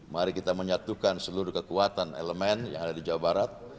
mari kita menyatukan seluruh kekuatan elemen yang ada di jawa barat